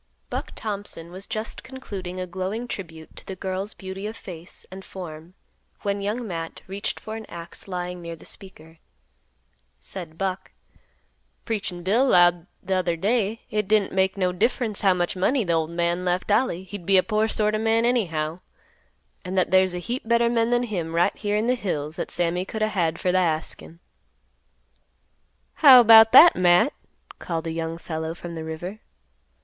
Buck Thompson was just concluding a glowing tribute to the girl's beauty of face and form when Young Matt reached for an axe lying near the speaker. Said Buck, "Preachin' Bill 'lowed t'other day hit didn't make no difference how much money th' ol' man left Ollie he'd be a poor sort of a man anyhow; an' that there's a heap better men than him right here in th' hills that Sammy could a' had fer th' askin'." "How 'bout that, Matt?" called a young fellow from the river.